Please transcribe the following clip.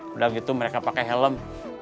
padahal mereka pakai helm